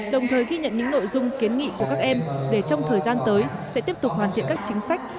đồng thời ghi nhận những nội dung kiến nghị của các em để trong thời gian tới sẽ tiếp tục hoàn thiện các chính sách